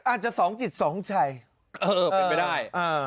อาจจะสองจิตสองใจเออเป็นไปได้